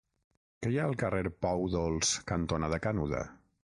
Què hi ha al carrer Pou Dolç cantonada Canuda?